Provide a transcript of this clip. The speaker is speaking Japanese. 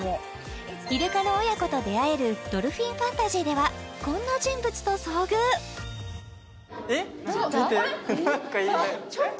イルカの親子と出会えるドルフィン・ファンタジーではこんな人物と遭遇えっ？